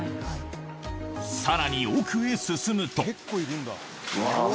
さらに奥へ進むと。